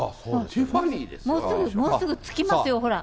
もうすぐ、もうすぐ着きますよ、ほら。